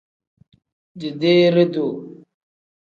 Dideere-duu.